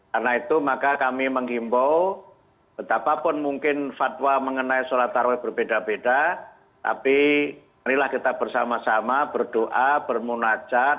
karena itu maka kami menghimbau betapa pun mungkin fatwa mengenai sholat taraweh berbeda beda tapi marilah kita bersama sama berdoa bermunajat